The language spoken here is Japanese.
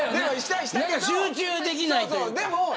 集中できないというか。